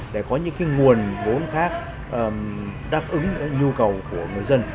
để có những nguồn vốn khác đáp ứng nhu cầu của người dân